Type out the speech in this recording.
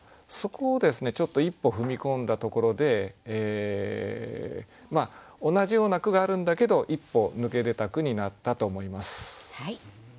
そこをですねちょっと一歩踏み込んだところで同じような句があるんだけど一歩抜け出た句になったと思います。